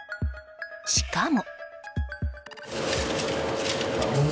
しかも。